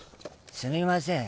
すみません